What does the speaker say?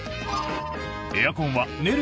エアコンは寝る